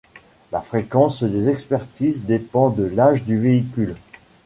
La fréquence des expertises dépend de l'âge du véhicule.